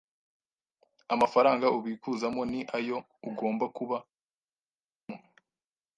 amafaranga ubikuzamo ni ayo ugomba kuba warabitsemo